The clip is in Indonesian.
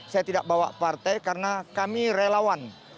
saya tidak bawa partai karena kami relawan